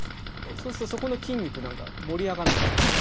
そうするとそこの筋肉何か盛り上がらないですか？